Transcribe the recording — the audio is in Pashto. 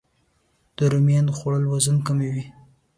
د رومیانو خوړل وزن کموي